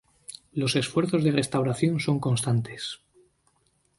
Los esfuerzos de restauración son constantes.